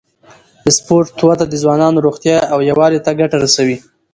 د سپورت وده د ځوانانو روغتیا او یووالي ته ګټه رسوي.